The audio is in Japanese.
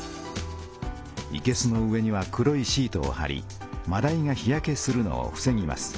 いけすの上には黒いシートをはりまだいが日焼けするのをふせぎます。